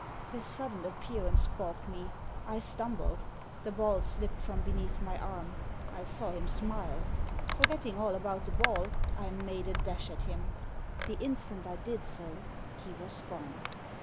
His sudden appearance baulked me. I stumbled. The ball slipped from beneath my arm. I saw him smile. Forgetting all about the ball, I made a dash at him. The instant I did so he was gone